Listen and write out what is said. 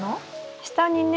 下にね。